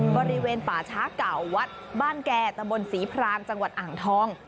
บริเวณป่าช้าเก่าวัดบ้านแก่ตะบนศรีพรามจังหวัดอ่างทอง